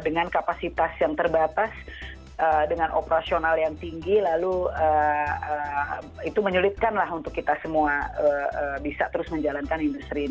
dengan kapasitas yang terbatas dengan operasional yang tinggi lalu itu menyulitkanlah untuk kita semua bisa terus menjalankan industri ini